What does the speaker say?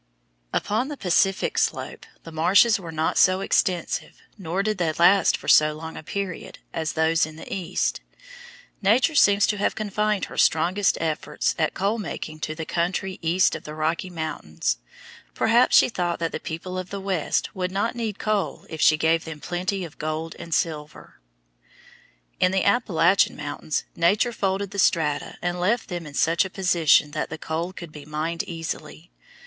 Upon the Pacific slope the marshes were not so extensive, nor did they last for so long a period, as those in the East. Nature seems to have confined her strongest efforts at coal making to the country east of the Rocky Mountains. Perhaps she thought that the people of the West would not need coal if she gave them plenty of gold and silver. In the Appalachian mountains Nature folded the strata and left them in such a position that the coal could be mined easily.